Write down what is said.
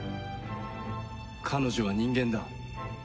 彼女は人間だ。